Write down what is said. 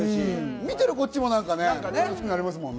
見てるこっちも楽しくなりますもんね。